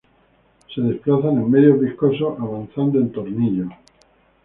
Se desplazan en medios viscosos avanzando en tornillo.